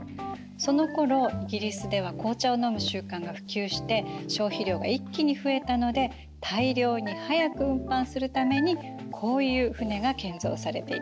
そのころイギリスでは紅茶を飲む習慣が普及して消費量が一気に増えたので大量に速く運搬するためにこういう船が建造されていたのよ。